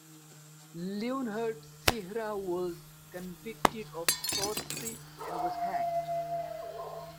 Leonhard Sihra was convicted of sorcery and was hanged.